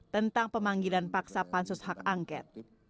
tentang pemanggilan paksa pansus hak angket